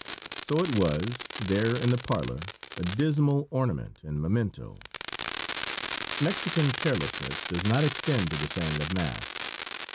So it was, there in the parlor, a dismal ornament and memento. Mexican carelessness does not extend to the saying of mass.